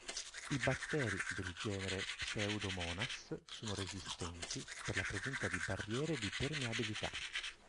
I batteri del genere "Pseudomonas" sono resistenti per la presenza di barriere di permeabilità.